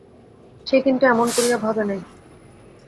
সে কিন্তু এমন করিয়া ভাবে নাই।